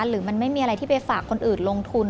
หรือมันไม่มีอะไรที่ไปฝากคนอื่นลงทุน